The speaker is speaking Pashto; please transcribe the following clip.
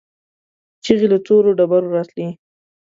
چيغې له تورو ډبرو راتلې.